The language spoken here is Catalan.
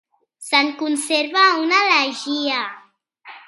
Se'n conserva una elegia.